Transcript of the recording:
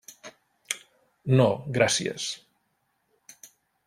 No, gràcies.